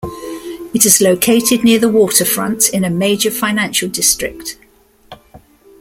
It is located near the waterfront, in a major financial district.